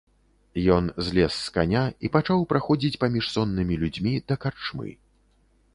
Ён злез з каня і пачаў праходзіць паміж соннымі людзьмі да карчмы.